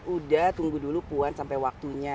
udah tunggu dulu puan sampai waktunya